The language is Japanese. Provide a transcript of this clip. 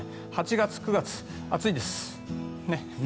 ８月、９月、暑いです。